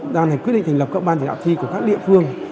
ban hành quyết định thành lập các ban chỉ đạo thi của các địa phương